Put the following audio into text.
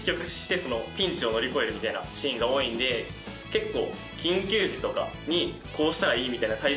結構。